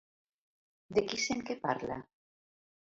De qui sent que parla?